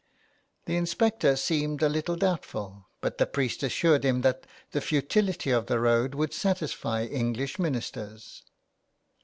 The inspector seemed a little doubtful, but the priest assured him that the futility of the road would satisfy English ministers.